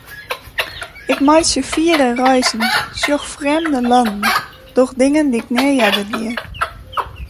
Ik meitsje fiere reizen, sjoch frjemde lannen, doch dingen dy'k nea earder die.